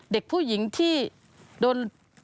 เด็กผู้หญิงที่โดน